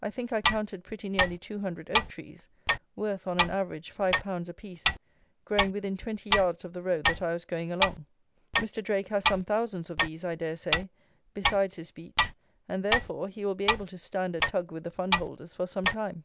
I think I counted pretty nearly 200 oak trees, worth, on an average, five pounds a piece, growing within twenty yards of the road that I was going along. Mr. Drake has some thousands of these, I dare say, besides his beech; and, therefore, he will be able to stand a tug with the fundholders for some time.